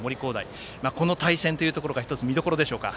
この対戦というところが１つ見どころでしょうか。